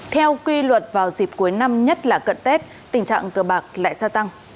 theo quy luật vào dịp cuối năm nhất là cận tết tình trạng cờ bạc lại gia tăng